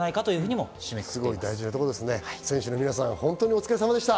選手の皆さん、本当にお疲れ様でした。